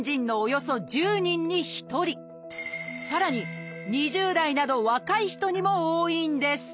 さらに２０代など若い人にも多いんです